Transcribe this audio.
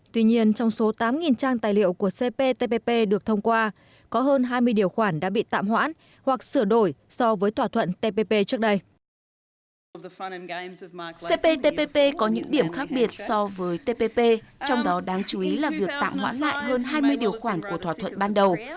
trong đó đáng chú ý là việc tạm hoãn lại hơn hai mươi điều khoản của thỏa thuận ban đầu